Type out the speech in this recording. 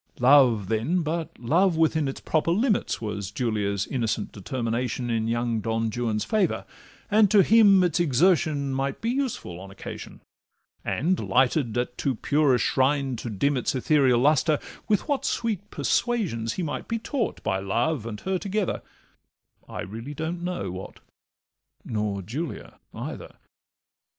Love, then, but love within its proper limits, Was Julia's innocent determination In young Don Juan's favour, and to him its Exertion might be useful on occasion; And, lighted at too pure a shrine to dim its Ethereal lustre, with what sweet persuasion He might be taught, by love and her together— I really don't know what, nor Julia either.